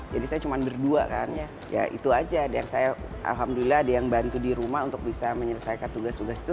jadi saya cuma berdua kan ya itu aja dan saya alhamdulillah ada yang bantu di rumah untuk bisa menyelesaikan tugas tugas itu